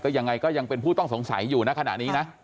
ยังไงก็ยังเป็นผู้ต้องสงสัยอยู่นะขณะนี้นะ